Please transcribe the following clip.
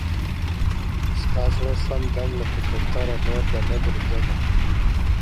ستا زړه سمدم لكه كوتره نور بـه نـه درځمه-